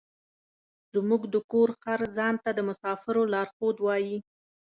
زموږ د کور خر ځان ته د مسافرو لارښود وايي.